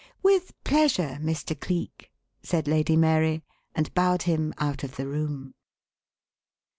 "With pleasure, Mr. Cleek," said Lady Mary; and bowed him out of the room.